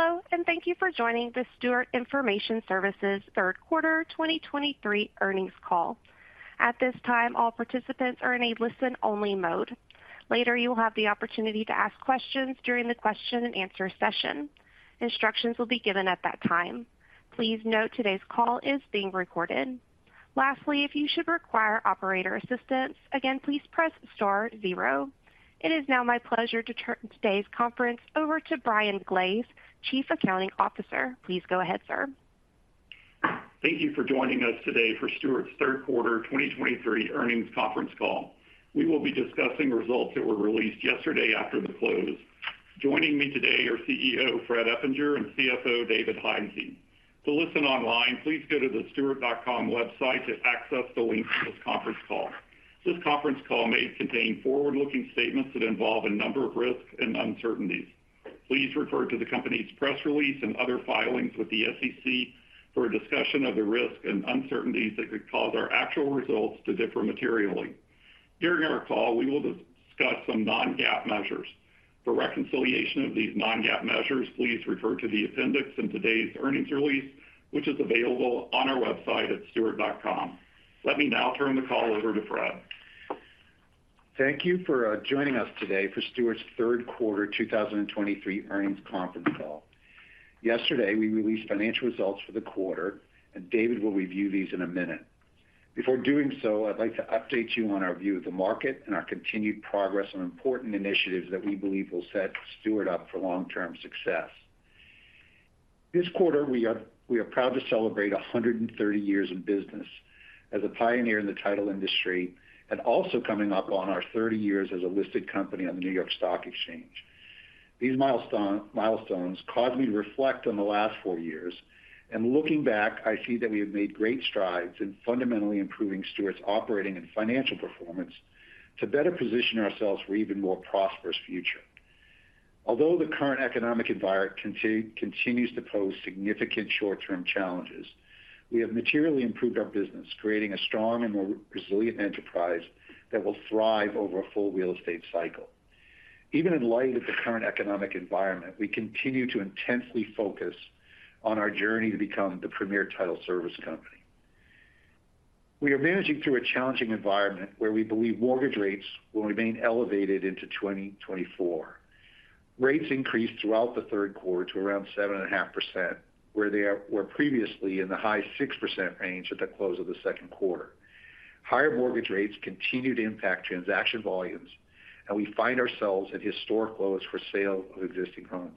Hello, and thank you for joining the Stewart Information Services third quarter 2023 earnings call. At this time, all participants are in a listen-only mode. Later, you will have the opportunity to ask questions during the question and answer session. Instructions will be given at that time. Please note today's call is being recorded. Lastly, if you should require operator assistance, again, please press star zero. It is now my pleasure to turn today's conference over to Brian Glaze, Chief Accounting Officer. Please go ahead, sir. Thank you for joining us today for Stewart's third quarter 2023 earnings conference call. We will be discussing results that were released yesterday after the close. Joining me today are CEO Fred Eppinger and CFO David Hisey. To listen online, please go to the stewart.com website to access the link for this conference call. This conference call may contain forward-looking statements that involve a number of risks and uncertainties. Please refer to the company's press release and other filings with the SEC for a discussion of the risks and uncertainties that could cause our actual results to differ materially. During our call, we will discuss some non-GAAP measures. For reconciliation of these non-GAAP measures, please refer to the appendix in today's earnings release, which is available on our website at stewart.com. Let me now turn the call over to Fred. Thank you for joining us today for Stewart's third quarter 2023 earnings conference call. Yesterday, we released financial results for the quarter, and David will review these in a minute. Before doing so, I'd like to update you on our view of the market and our continued progress on important initiatives that we believe will set Stewart up for long-term success. This quarter, we are proud to celebrate 130 years in business as a pioneer in the title industry, and also coming up on our 30 years as a listed company on the New York Stock Exchange. These milestones caused me to reflect on the last four years, and looking back, I see that we have made great strides in fundamentally improving Stewart's operating and financial performance to better position ourselves for even more prosperous future. Although the current economic environment continues to pose significant short-term challenges, we have materially improved our business, creating a strong and more resilient enterprise that will thrive over a full real estate cycle. Even in light of the current economic environment, we continue to intensely focus on our journey to become the premier title service company. We are managing through a challenging environment where we believe mortgage rates will remain elevated into 2024. Rates increased throughout the third quarter to around 7.5%, where they were previously in the high 6% range at the close of the second quarter. Higher mortgage rates continue to impact transaction volumes, and we find ourselves at historic lows for sale of existing homes.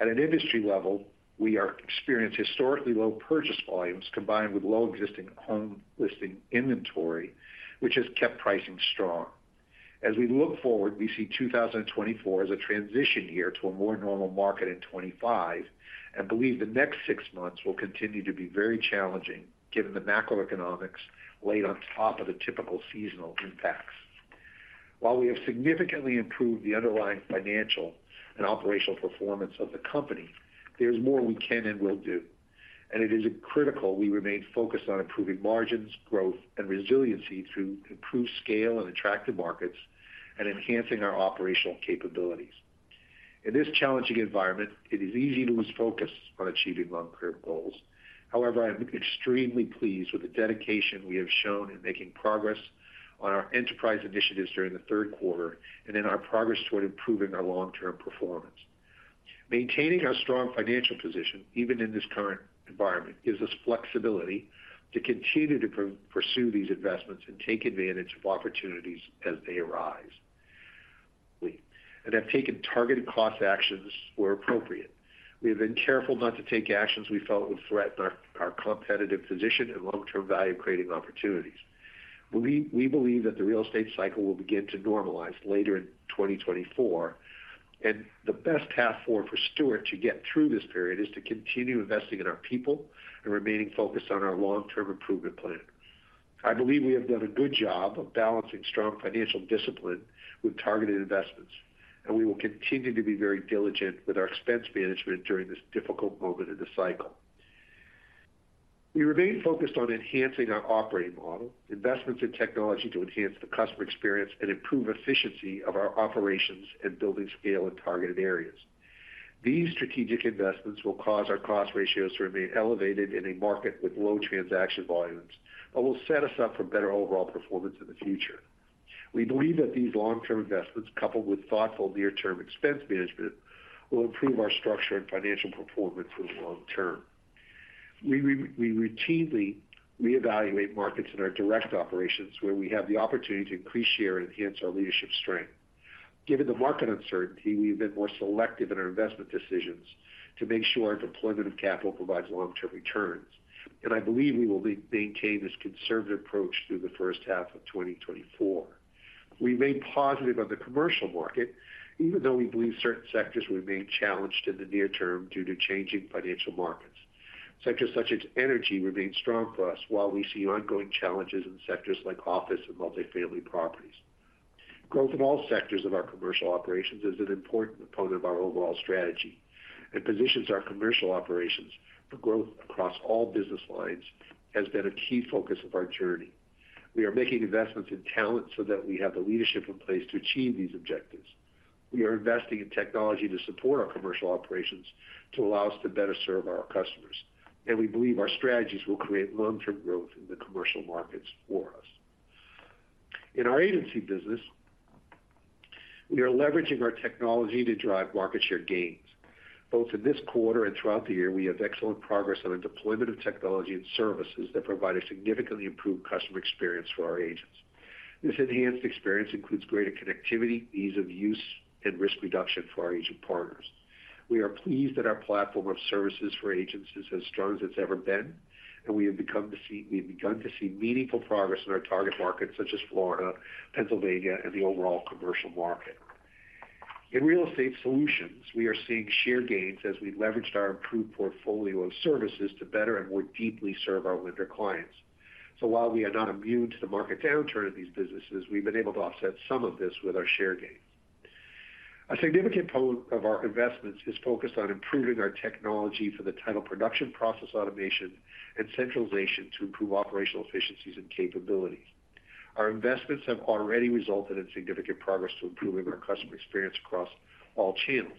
At an industry level, we are experiencing historically low purchase volumes, combined with low existing home listing inventory, which has kept pricing strong. As we look forward, we see 2024 as a transition year to a more normal market in 2025, and believe the next six months will continue to be very challenging, given the macroeconomics laid on top of the typical seasonal impacts. While we have significantly improved the underlying financial and operational performance of the company, there's more we can and will do, and it is critical we remain focused on improving margins, growth, and resiliency through improved scale and attractive markets, and enhancing our operational capabilities. In this challenging environment, it is easy to lose focus on achieving long-term goals. However, I am extremely pleased with the dedication we have shown in making progress on our enterprise initiatives during the third quarter, and in our progress toward improving our long-term performance. Maintaining our strong financial position, even in this current environment, gives us flexibility to continue to pursue these investments and take advantage of opportunities as they arise. We have taken targeted cost actions where appropriate. We have been careful not to take actions we felt would threaten our competitive position and long-term value-creating opportunities. We believe that the real estate cycle will begin to normalize later in 2024, and the best path forward for Stewart to get through this period is to continue investing in our people and remaining focused on our long-term improvement plan. I believe we have done a good job of balancing strong financial discipline with targeted investments, and we will continue to be very diligent with our expense management during this difficult moment in the cycle. We remain focused on enhancing our operating model, investments in technology to enhance the customer experience, and improve efficiency of our operations and building scale in targeted areas. These strategic investments will cause our cost ratios to remain elevated in a market with low transaction volumes, but will set us up for better overall performance in the future. We believe that these long-term investments, coupled with thoughtful near-term expense management, will improve our structure and financial performance for the long term. We routinely reevaluate markets in our direct operations, where we have the opportunity to increase share and enhance our leadership strength. Given the market uncertainty, we've been more selective in our investment decisions to make sure our deployment of capital provides long-term returns, and I believe we will maintain this conservative approach through the first half of 2024. We remain positive on the commercial market, even though we believe certain sectors remain challenged in the near term due to changing financial markets. Sectors such as energy remain strong for us, while we see ongoing challenges in sectors like office and multifamily properties. Growth in all sectors of our commercial operations is an important component of our overall strategy and positions our commercial operations for growth across all business lines, has been a key focus of our journey. We are making investments in talent so that we have the leadership in place to achieve these objectives. We are investing in technology to support our commercial operations, to allow us to better serve our customers, and we believe our strategies will create long-term growth in the commercial markets for us. In our agency business, we are leveraging our technology to drive market share gains. Both in this quarter and throughout the year, we have excellent progress on the deployment of technology and services that provide a significantly improved customer experience for our agents. This enhanced experience includes greater connectivity, ease of use, and risk reduction for our agent partners. We are pleased that our platform of services for agents is as strong as it's ever been, and we've begun to see meaningful progress in our target markets such as Florida, Pennsylvania, and the overall commercial market. In real estate solutions, we are seeing share gains as we leveraged our improved portfolio of services to better and more deeply serve our lender clients. So while we are not immune to the market downturn in these businesses, we've been able to offset some of this with our share gains. A significant part of our investments is focused on improving our technology for the title production process, automation, and centralization to improve operational efficiencies and capabilities. Our investments have already resulted in significant progress to improving our customer experience across all channels.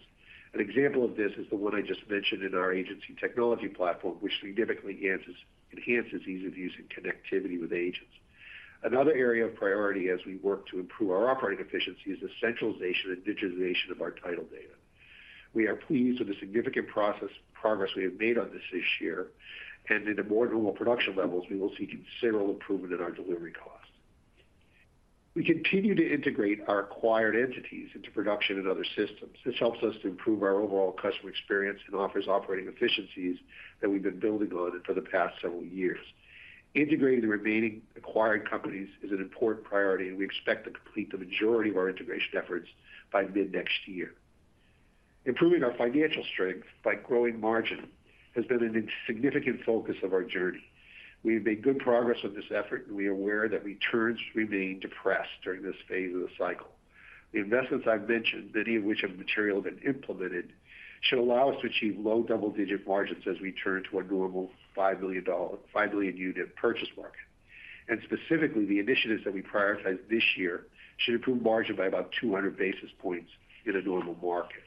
An example of this is the one I just mentioned in our agency technology platform, which significantly enhances ease of use and connectivity with agents. Another area of priority as we work to improve our operating efficiency is the centralization and digitization of our title data. We are pleased with the significant progress we have made on this this year, and in the more normal production levels, we will see considerable improvement in our delivery costs. We continue to integrate our acquired entities into production and other systems. This helps us to improve our overall customer experience and offers operating efficiencies that we've been building on for the past several years. Integrating the remaining acquired companies is an important priority, and we expect to complete the majority of our integration efforts by mid-next year. Improving our financial strength by growing margin has been a significant focus of our journey. We've made good progress on this effort, and we are aware that returns remain depressed during this phase of the cycle. The investments I've mentioned, many of which have been materially implemented, should allow us to achieve low double-digit margins as we turn to a normal five million unit purchase market. And specifically, the initiatives that we prioritize this year should improve margin by about 200 basis points in a normal market.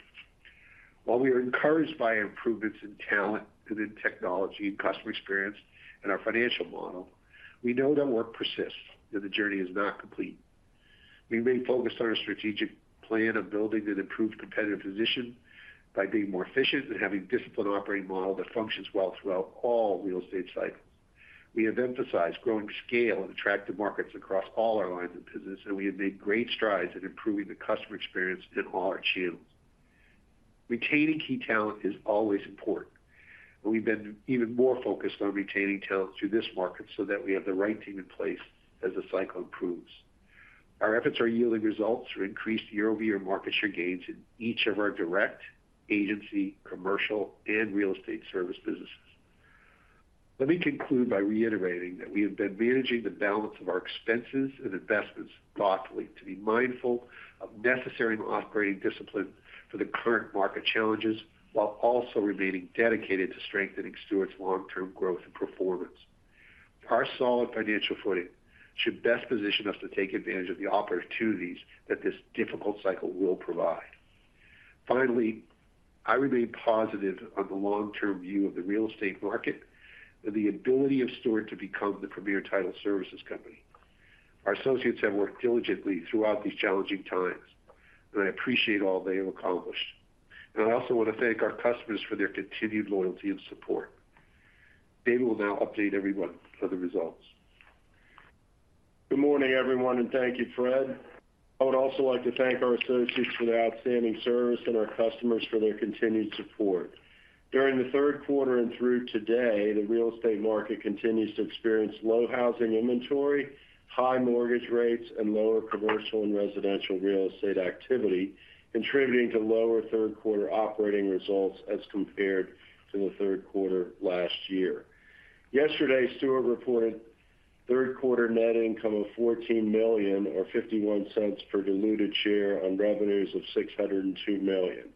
While we are encouraged by improvements in talent and in technology and customer experience and our financial model, we know that work persists and the journey is not complete. We remain focused on our strategic plan of building an improved competitive position by being more efficient and having a disciplined operating model that functions well throughout all real estate cycles. We have emphasized growing scale and attractive markets across all our lines of business, and we have made great strides in improving the customer experience in all our channels. Retaining key talent is always important, but we've been even more focused on retaining talent through this market so that we have the right team in place as the cycle improves. Our efforts are yielding results through increased year-over-year market share gains in each of our direct, agency, commercial, and real estate service businesses. Let me conclude by reiterating that we have been managing the balance of our expenses and investments thoughtfully, to be mindful of necessary operating discipline for the current market challenges, while also remaining dedicated to strengthening Stewart's long-term growth and performance. Our solid financial footing should best position us to take advantage of the opportunities that this difficult cycle will provide. Finally, I remain positive on the long-term view of the real estate market and the ability of Stewart to become the premier title services company. Our associates have worked diligently throughout these challenging times, and I appreciate all they have accomplished. I also want to thank our customers for their continued loyalty and support. Dave will now update everyone for the results. Good morning, everyone, and thank you, Fred. I would also like to thank our associates for their outstanding service and our customers for their continued support. During the third quarter and through today, the real estate market continues to experience low housing inventory, high mortgage rates, and lower commercial and residential real estate activity, contributing to lower third quarter operating results as compared to the third quarter last year. Yesterday, Stewart reported third quarter net income of $14 million or $0.51 per diluted share on revenues of $602 million.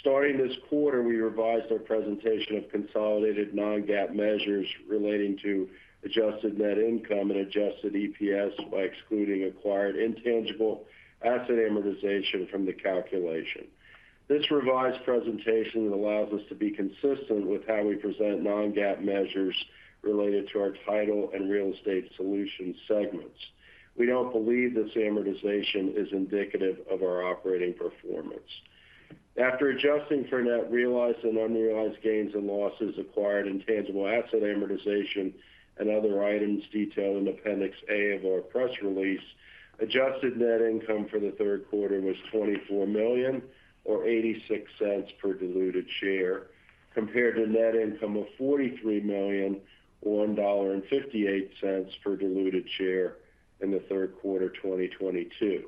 Starting this quarter, we revised our presentation of consolidated non-GAAP measures relating to adjusted net income and adjusted EPS by excluding acquired intangible asset amortization from the calculation. This revised presentation allows us to be consistent with how we present non-GAAP measures related to our title and real estate solutions segments. We don't believe this amortization is indicative of our operating performance. After adjusting for net realized and unrealized gains and losses, acquired intangible asset amortization, and other items detailed in Appendix A of our press release, adjusted net income for the third quarter was $24 million or $0.86 per diluted share, compared to net income of $43 million or $1.58 per diluted share in the third quarter of 2022.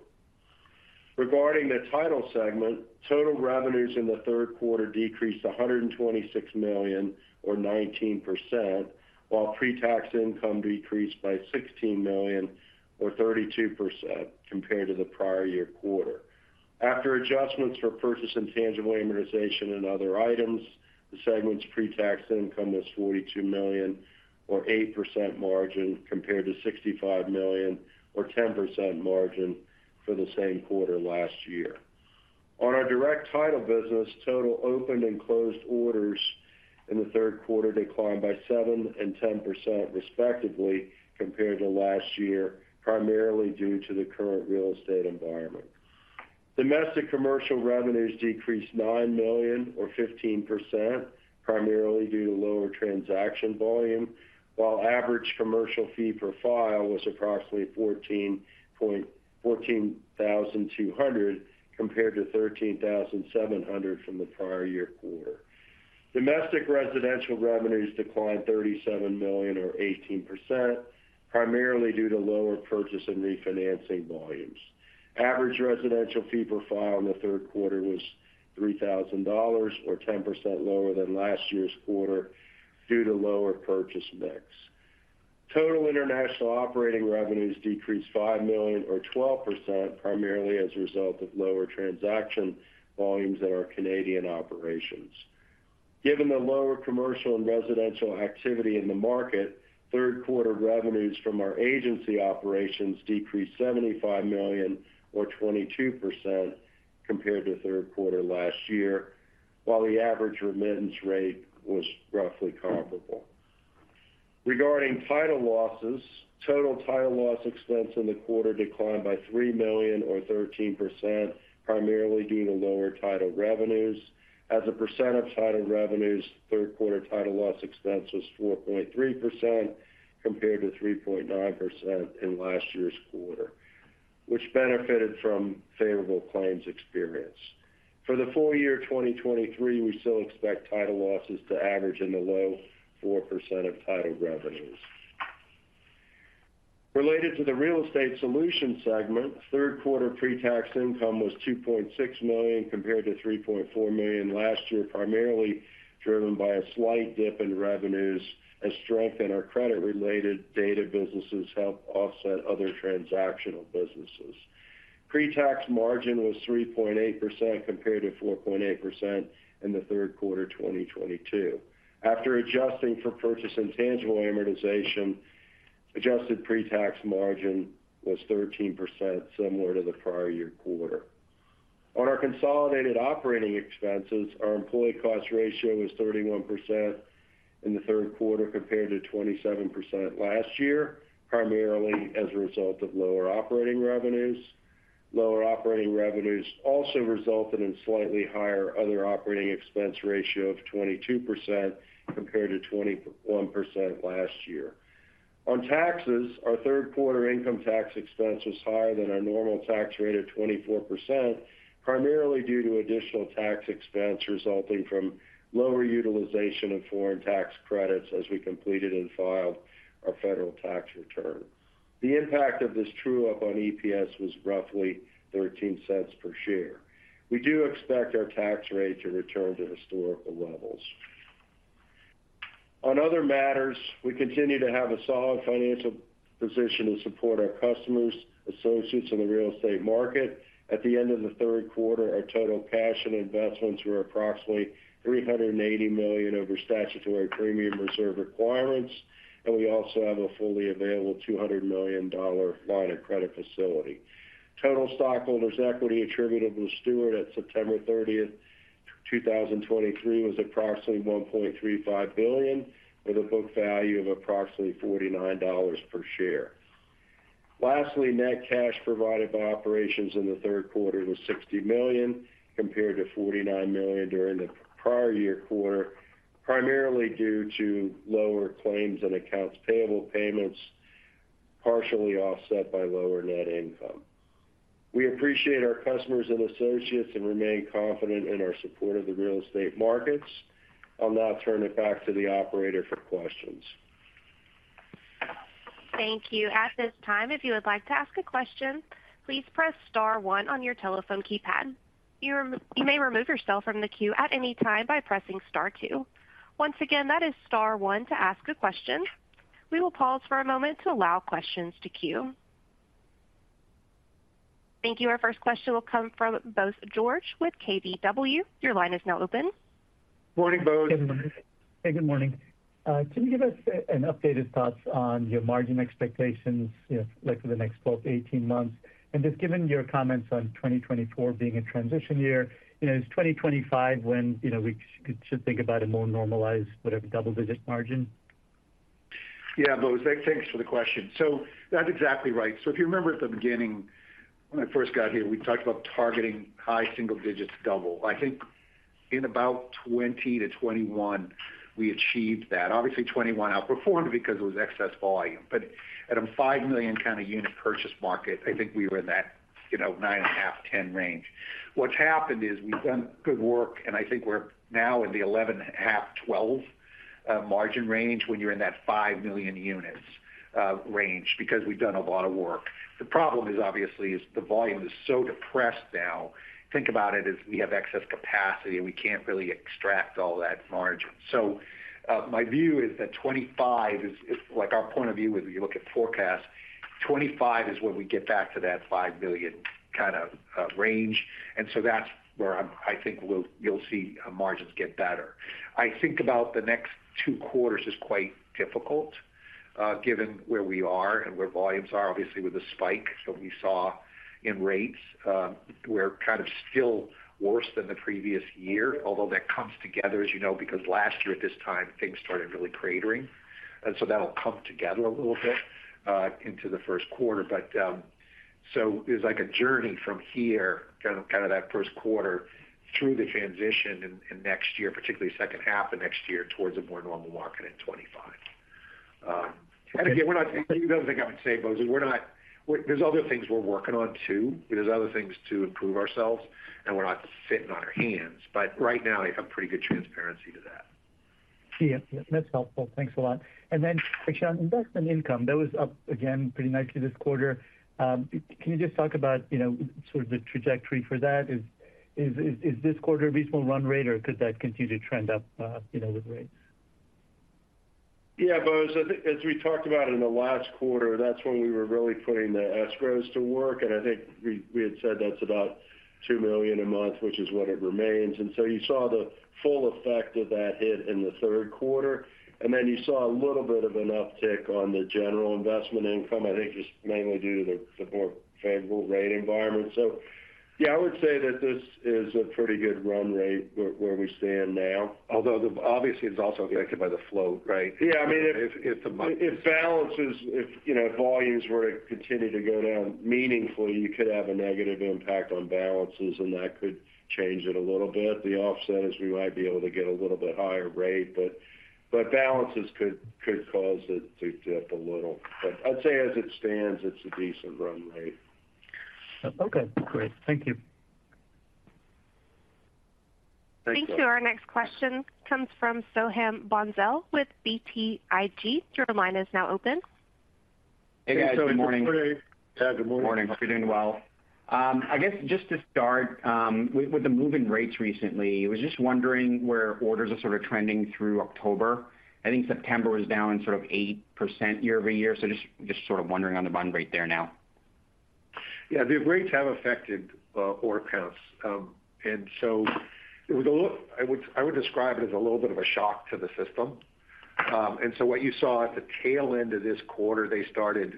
Regarding the title segment, total revenues in the third quarter decreased to $126 million or 19%, while pre-tax income decreased by $16 million or 32% compared to the prior year quarter. After adjustments for purchase and intangible amortization and other items, the segment's pretax income was $42 million or 8% margin, compared to $65 million or 10% margin for the same quarter last year. On our direct title business, total opened and closed orders in the third quarter declined by 7% and 10% respectively compared to last year, primarily due to the current real estate environment. Domestic commercial revenues decreased $9 million or 15%, primarily due to lower transaction volume, while average commercial fee per file was approximately $14,200, compared to $13,700 from the prior year quarter. Domestic residential revenues declined $37 million or 18%, primarily due to lower purchase and refinancing volumes. Average residential fee per file in the third quarter was $3,000 or 10% lower than last year's quarter due to lower purchase mix. Total international operating revenues decreased $5 million or 12%, primarily as a result of lower transaction volumes in our Canadian operations. Given the lower commercial and residential activity in the market, third quarter revenues from our agency operations decreased $75 million or 22% compared to third quarter last year, while the average remittance rate was roughly comparable. Regarding title losses, total title loss expense in the quarter declined by $3 million or 13%, primarily due to lower title revenues. As a percent of title revenues, third quarter title loss expense was 4.3%, compared to 3.9% in last year's quarter, which benefited from favorable claims experience. For the full year 2023, we still expect title losses to average in the low 4% of title revenues. Related to the real estate solution segment, third quarter pretax income was $2.6 million, compared to $3.4 million last year, primarily driven by a slight dip in revenues as strength in our credit-related data businesses help offset other transactional businesses. Pretax margin was 3.8%, compared to 4.8% in the third quarter of 2022. After adjusting for purchase and intangible amortization, adjusted pretax margin was 13%, similar to the prior year quarter. On our consolidated operating expenses, our employee cost ratio was 31% in the third quarter, compared to 27% last year, primarily as a result of lower operating revenues. Lower operating revenues also resulted in slightly higher other operating expense ratio of 22%, compared to 21% last year. On taxes, our third quarter income tax expense was higher than our normal tax rate of 24%, primarily due to additional tax expense resulting from lower utilization of foreign tax credits as we completed and filed our federal tax return. The impact of this true-up on EPS was roughly $0.13 per share. We do expect our tax rate to return to historical levels. On other matters, we continue to have a solid financial position to support our customers, associates in the real estate market. At the end of the third quarter, our total cash and investments were approximately $380 million over statutory premium reserve requirements, and we also have a fully available $200 million line of credit facility. Total stockholders' equity attributable to Stewart at September 30th, 2023, was approximately $1.35 billion, with a book value of approximately $49 per share. Lastly, net cash provided by operations in the third quarter was $60 million, compared to $49 million during the prior year quarter, primarily due to lower claims and accounts payable payments, partially offset by lower net income. We appreciate our customers and associates and remain confident in our support of the real estate markets. I'll now turn it back to the operator for questions. Thank you. At this time, if you would like to ask a question, please press star one on your telephone keypad. You may remove yourself from the queue at any time by pressing star two. Once again, that is star one to ask a question. We will pause for a moment to allow questions to queue. Thank you. Our first question will come from Bose George with KBW. Your line is now open. Morning, Bose. Hey, good morning. Can you give us an updated thoughts on your margin expectations, you know, like for the next 12-18 months? And just given your comments on 2024 being a transition year, you know, is 2025 when, you know, we should think about a more normalized, whatever, double-digit margin? Yeah, Bose, thanks for the question. So that's exactly right. So if you remember at the beginning, when I first got here, we talked about targeting high single digits, double. I think in about 2020-2021, we achieved that. Obviously, 2021 outperformed because it was excess volume. But at a five million kind of unit purchase market, I think we were in that, you know, 9.5%-10% range. What's happened is we've done good work, and I think we're now in the 11.5%-12% margin range when you're in that five million units range, because we've done a lot of work. The problem is, obviously, is the volume is so depressed now. Think about it as we have excess capacity, and we can't really extract all that margin. My view is that 2025 is like our point of view when you look at forecasts. 2025 is when we get back to that five million kind of range. And so that's where I think you'll see margins get better. I think about the next two quarters is quite difficult, given where we are and where volumes are, obviously, with the spike that we saw in rates. We're kind of still worse than the previous year, although that comes together, as you know, because last year at this time, things started really cratering. And so that'll come together a little bit into the first quarter. But so it's like a journey from here, kind of that first quarter through the transition and next year, particularly second half of next year, towards a more normal market in 2025. And again, the other thing I would say, Bose, we're not, there's other things we're working on, too. There's other things to improve ourselves, and we're not sitting on our hands, but right now I have pretty good transparency to that. Yeah, that's helpful. Thanks a lot. And then just on investment income, that was up again pretty nicely this quarter. Can you just talk about, you know, sort of the trajectory for that? Is this quarter a reasonable run rate, or could that continue to trend up, you know, with rates? Yeah, Bose, I think as we talked about in the last quarter, that's when we were really putting the escrows to work, and I think we had said that's about $2 million a month, which is what it remains. And so you saw the full effect of that hit in the third quarter, and then you saw a little bit of an uptick on the general investment income, I think, just mainly due to the more favorable rate environment. So yeah, I would say that this is a pretty good run rate where we stand now. Although, obviously, it's also affected by the float, right? Yeah, I mean. If the. If balances, you know, volumes were to continue to go down meaningfully, you could have a negative impact on balances, and that could change it a little bit. The offset is we might be able to get a little bit higher rate, but balances could cause it to dip a little. I'd say as it stands, it's a decent run rate. Okay, great. Thank you. Thank you. Thank you. Our next question comes from Soham Bhonsle with BTIG. Your line is now open. Hey, guys. Good morning. Good morning. Good morning. Hope you're doing well. I guess just to start, with the move in rates recently, I was just wondering where orders are sort of trending through October. I think September was down sort of 8% year-over-year, so just sort of wondering on the run rate there now. Yeah, the rates have affected order counts. And so it was a little. I would describe it as a little bit of a shock to the system. And so what you saw at the tail end of this quarter, they started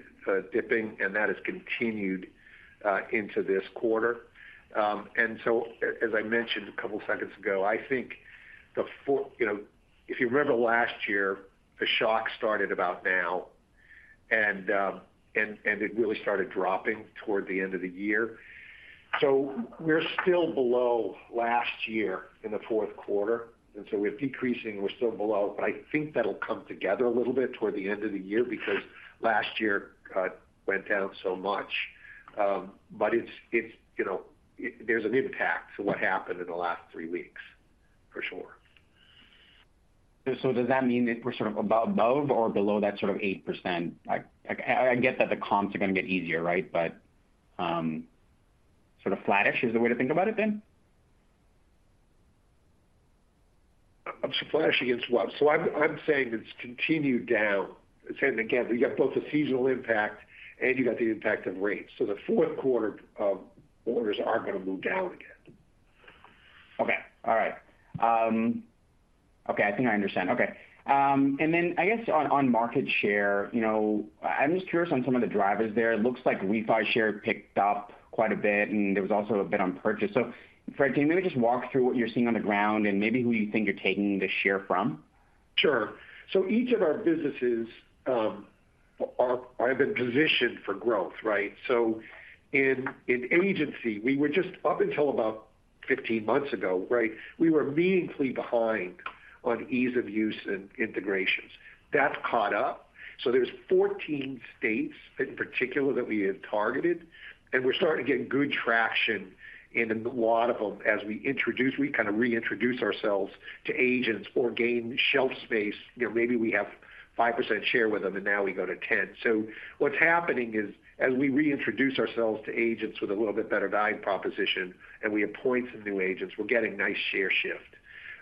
dipping, and that has continued into this quarter. And so as I mentioned a couple of seconds ago, I think the four—you know, if you remember last year, the shock started about now, and it really started dropping toward the end of the year. So we're still below last year in the fourth quarter, and so we're decreasing, we're still below, but I think that'll come together a little bit toward the end of the year because last year went down so much. But it's, you know, there's an impact to what happened in the last three weeks, for sure. So does that mean that we're sort of above or below that sort of 8%? I get that the comps are going to get easier, right? But sort of flattish is the way to think about it then? Flattish against what? So I'm saying it's continued down. Saying again, you got both the seasonal impact and you got the impact of rates. So the fourth quarter of orders are going to move down again. Okay. All right. Okay, I think I understand. Okay. And then I guess on, on market share, you know, I'm just curious on some of the drivers there. It looks like refi share picked up quite a bit, and there was also a bit on purchase. So Fred, can you maybe just walk through what you're seeing on the ground and maybe who you think you're taking the share from? Sure. So each of our businesses are, have been positioned for growth, right? So in agency, we were just up until about 15 months ago, right, we were meaningfully behind on ease of use and integrations. That's caught up. So there's 14 states in particular that we have targeted, and we're starting to get good traction in a lot of them. As we introduce, we kind of reintroduce ourselves to agents or gain shelf space. You know, maybe we have 5% share with them, and now we go to 10%. So what's happening is, as we reintroduce ourselves to agents with a little bit better value proposition and we appoint some new agents, we're getting nice share shift.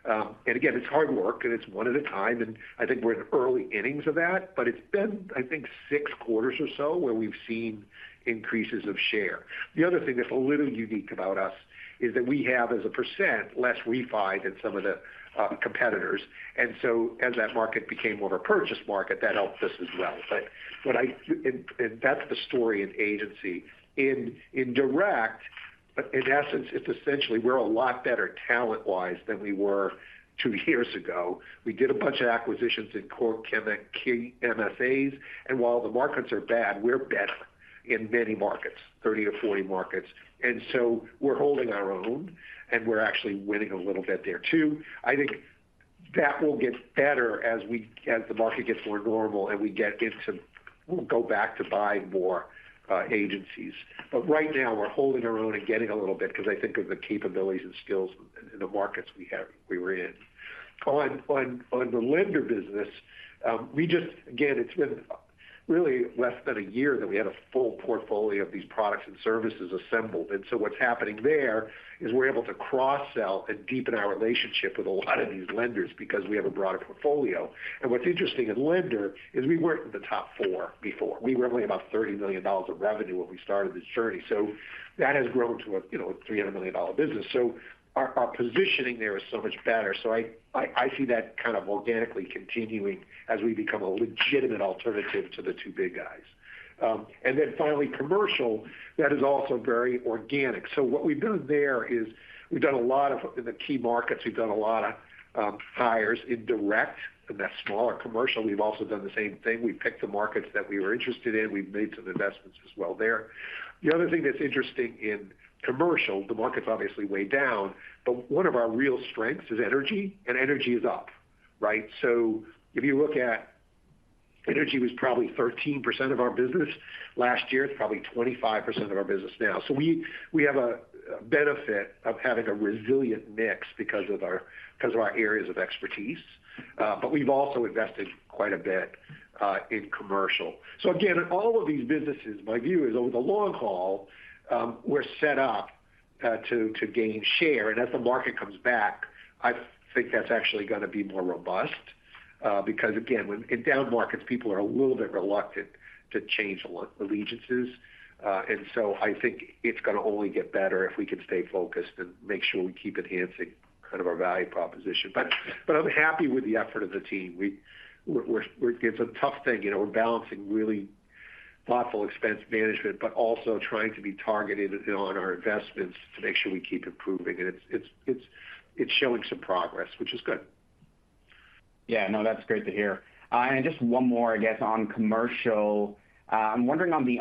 And again, it's hard work, and it's one at a time, and I think we're in early innings of that, but it's been, I think, six quarters or so where we've seen increases of share. The other thing that's a little unique about us is that we have, as a percent, less refi than some of the competitors. And so as that market became more of a purchase market, that helped us as well. But that's the story in agency. In direct, but in essence, it's essentially we're a lot better talent-wise than we were two years ago. We did a bunch of acquisitions in core MSAs, and while the markets are bad, we're better in many markets, 30-40 markets. And so we're holding our own, and we're actually winning a little bit there, too. I think that will get better as we—as the market gets more normal and we get to go back to buying more agencies. But right now, we're holding our own and getting a little bit because I think of the capabilities and skills in the markets we have—we were in. On the lender business, we just—again, it's been really less than a year that we had a full portfolio of these products and services assembled. And so what's happening there is we're able to cross-sell and deepen our relationship with a lot of these lenders because we have a broader portfolio. And what's interesting in the lender business is we weren't in the top four before. We were only about $30 million of revenue when we started this journey. So that has grown to a, you know, $300 million business. So our positioning there is so much better. So I see that kind of organically continuing as we become a legitimate alternative to the two big guys. And then finally, commercial, that is also very organic. So what we've done there is we've done a lot of hires in the key markets in direct, and that's smaller commercial. We've also done the same thing. We picked the markets that we were interested in. We've made some investments as well there. The other thing that's interesting in commercial, the market's obviously way down, but one of our real strengths is energy, and energy is up, right? So if you look at energy was probably 13% of our business last year, it's probably 25% of our business now. So we have a benefit of having a resilient mix because of our areas of expertise, but we've also invested quite a bit in commercial. So again, in all of these businesses, my view is, over the long haul, we're set up to gain share. And as the market comes back, I think that's actually going to be more robust, because again, when in down markets, people are a little bit reluctant to change allegiances. And so I think it's going to only get better if we can stay focused and make sure we keep enhancing kind of our value proposition. But I'm happy with the effort of the team. We're, it's a tough thing. You know, we're balancing really thoughtful expense management, but also trying to be targeted on our investments to make sure we keep improving. And it's showing some progress, which is good. Yeah, no, that's great to hear. And just one more, I guess, on commercial. I'm wondering on the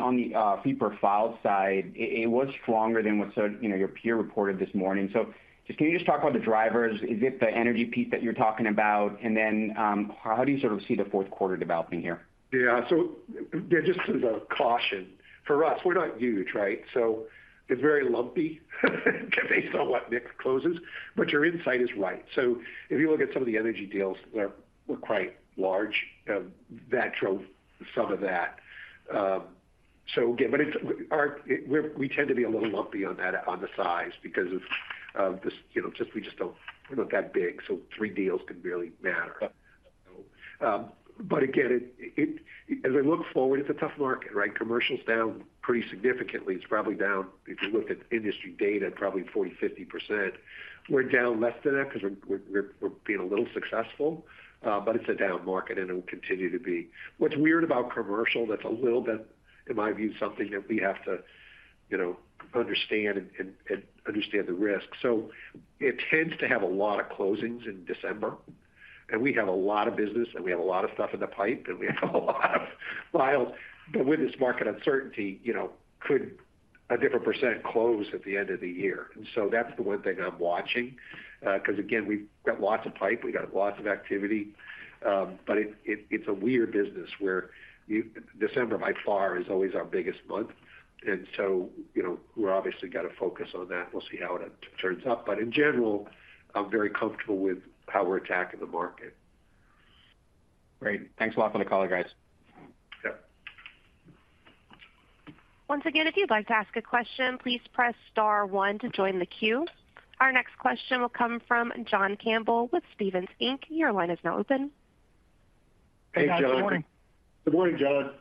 fee per file side, it was stronger than what so—you know, your peer reported this morning. So just can you just talk about the drivers? Is it the energy piece that you're talking about? And then, how do you sort of see the fourth quarter developing here? Yeah. So just as a caution, for us, we're not huge, right? So it's very lumpy, based on what mix closes, but your insight is right. So if you look at some of the energy deals, they were quite large. That drove some of that. So again, but we tend to be a little lumpy on that, on the size because of this, you know, just we just don't, we're not that big, so three deals can really matter. But again, it, as I look forward, it's a tough market, right? Commercial's down pretty significantly. It's probably down, if you look at industry data, probably 40%-50%. We're down less than that because we're being a little successful, but it's a down market, and it will continue to be. What's weird about commercial, that's a little bit, in my view, something that we have to, you know, understand and understand the risk. So it tends to have a lot of closings in December, and we have a lot of business, and we have a lot of stuff in the pipe, and we have a lot of files. But with this market uncertainty, you know, could a different percent close at the end of the year? And so that's the one thing I'm watching, because, again, we've got lots of pipe, we got lots of activity. But it's a weird business where you, December, by far, is always our biggest month. And so, you know, we're obviously going to focus on that. We'll see how it turns out. But in general, I'm very comfortable with how we're attacking the market. Great. Thanks a lot for the color, guys. Sure. Once again, if you'd like to ask a question, please press star one to join the queue. Our next question will come from John Campbell with Stephens Inc. Your line is now open. Hey, guys. Good morning. Good morning, John.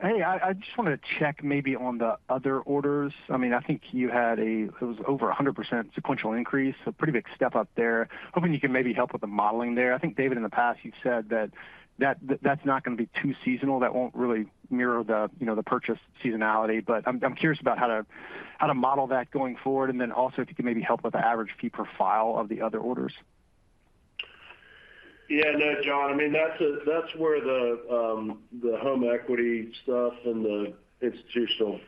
Hey, I just wanted to check maybe on the other orders. I mean, I think you had a—it was over 100% sequential increase, so pretty big step up there. Hoping you can maybe help with the modeling there. I think, David, in the past, you've said that that's not going to be too seasonal, that won't really mirror the, you know, the purchase seasonality. But I'm curious about how to model that going forward, and then also if you could maybe help with the average fee per file of the other orders. Yeah, no, John, I mean, that's where the home equity stuff and the institutional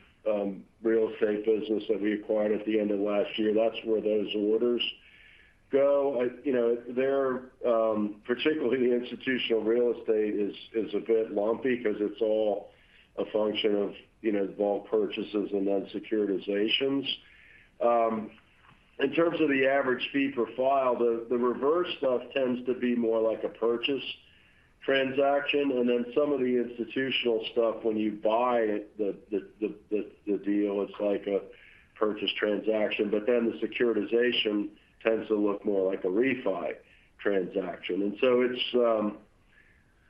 real estate business that we acquired at the end of last year, that's where those orders go. I, you know, they're particularly the institutional real estate is a bit lumpy because it's all a function of, you know, bulk purchases and then securitizations. In terms of the average fee per file, the reverse stuff tends to be more like a purchase transaction, and then some of the institutional stuff, when you buy it, the deal, it's like a purchase transaction, but then the securitization tends to look more like a refi transaction. And so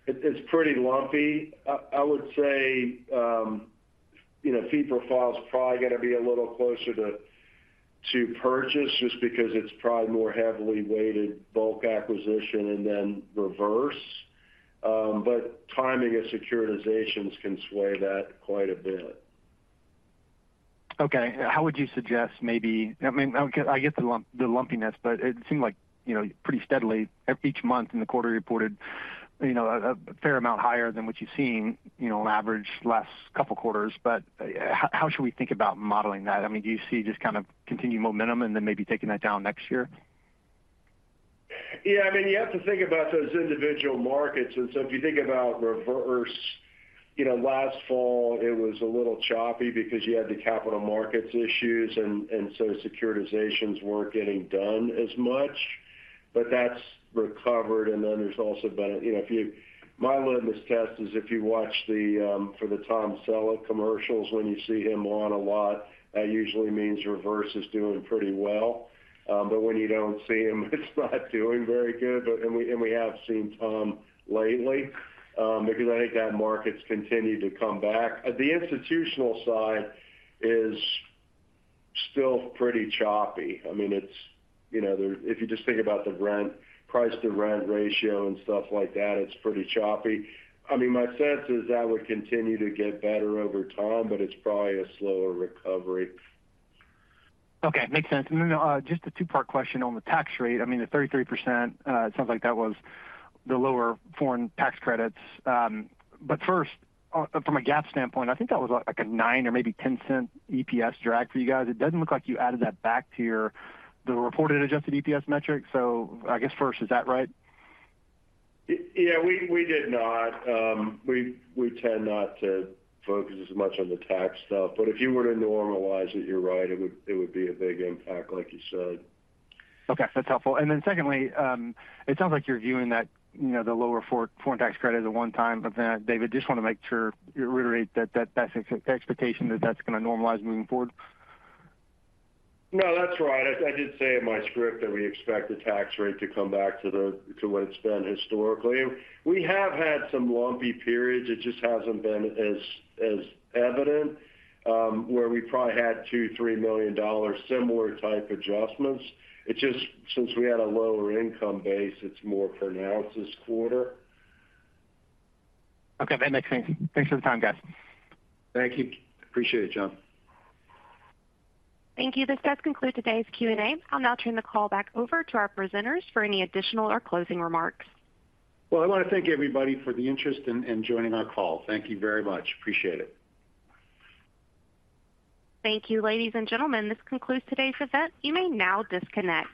it's pretty lumpy. I would say, you know, fee per file is probably gonna be a little closer to purchase just because it's probably more heavily weighted bulk acquisition and then reverse. But timing of securitizations can sway that quite a bit. Okay. How would you suggest maybe? I mean, I get the lump, the lumpiness, but it seemed like, you know, pretty steadily each month in the quarter reported, you know, a fair amount higher than what you've seen, you know, on average last couple quarters. But how should we think about modeling that? I mean, do you see just kind of continued momentum and then maybe taking that down next year? Yeah, I mean, you have to think about those individual markets. And so if you think about reverse, you know, last fall it was a little choppy because you had the capital markets issues, and so securitizations weren't getting done as much, but that's recovered. And then there's also been, you know, if you, my litmus test is if you watch for the Tom Selleck commercials, when you see him on a lot, that usually means reverse is doing pretty well. But when you don't see him, it's not doing very good. But we have seen Tom lately, maybe I think that market's continued to come back. The institutional side is still pretty choppy. I mean, it's, you know, there, if you just think about the rent, price to rent ratio and stuff like that, it's pretty choppy. I mean, my sense is that would continue to get better over time, but it's probably a slower recovery. Okay, makes sense. Then, just a two-part question on the tax rate. I mean, the 33%, it sounds like that was the lower foreign tax credits. But first, from a GAAP standpoint, I think that was like a $0.09 or maybe $0.10 EPS drag for you guys. It doesn't look like you added that back to your, the reported adjusted EPS metric. So I guess first, is that right? Yeah, we did not. We tend not to focus as much on the tax stuff, but if you were to normalize it, you're right, it would be a big impact, like you said. Okay, that's helpful. Then secondly, it sounds like you're viewing that, you know, the lower foreign tax credit as a one-time. But then, David, just want to make sure you reiterate that, that's the expectation that that's gonna normalize moving forward. No, that's right. I, I did say in my script that we expect the tax rate to come back to the, to what it's been historically. We have had some lumpy periods. It just hasn't been as, as evident, where we probably had $2 million-$3 million, similar type adjustments. It just since we had a lower income base, it's more pronounced this quarter. Okay, that makes sense. Thanks for the time, guys. Thank you. Appreciate it, John. Thank you. This does conclude today's Q&A. I'll now turn the call back over to our presenters for any additional or closing remarks. Well, I want to thank everybody for the interest in joining our call. Thank you very much. Appreciate it. Thank you, ladies and gentlemen, this concludes today's event. You may now disconnect.